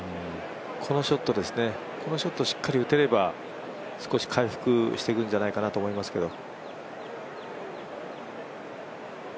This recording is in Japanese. このショットですね、このショットしっかり打てれば少し回復してくんじゃないかなと思いますけど。